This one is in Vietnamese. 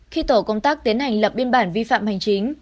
khi tổ công tác tiến hành lập biên bản vi phạm hành chính